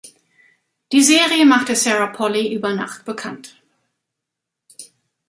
Die Serie machte Sarah Polley über Nacht bekannt.